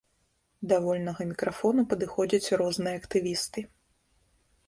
Да вольнага мікрафону падыходзяць розныя актывісты.